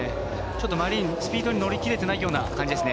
スピードに乗りきれていないような感じです。